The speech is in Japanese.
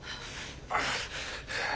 ああ。